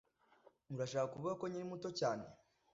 Urashaka kuvuga ko nkiri muto cyane